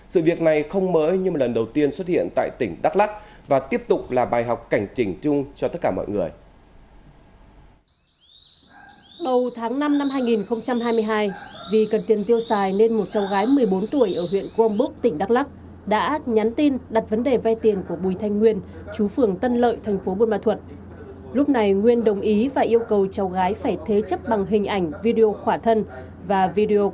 sự việc này không mới nhưng lần đầu tiên xuất hiện tại tỉnh đắk lắc và tiếp tục là bài học cảnh trình chung cho tất cả mọi người